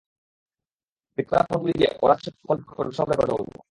বিক্রি করা ফোন গুলি দিয়ে, ওরা যে সব কল করবে সব রেকর্ড করব।